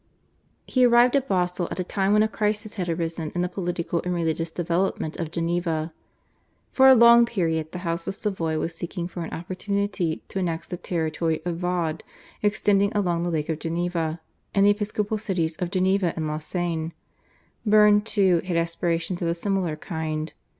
He arrived at Basle at a time when a crisis had arisen in the political and religious development of Geneva. For a long period the House of Savoy was seeking for an opportunity to annex the territory of Vaud extending along the Lake of Geneva, and the episcopal cities of Geneva and Lausanne. Berne, too, had aspirations of a similar kind.